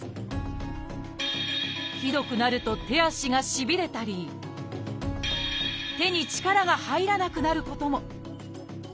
ひどくなると手足がしびれたり手に力が入らなくなることも。